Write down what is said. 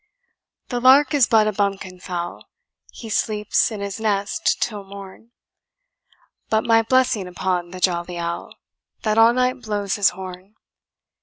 "The lark is but a bumpkin fowl, He sleeps in his nest till morn; But my blessing upon the jolly owl, That all night blows his horn.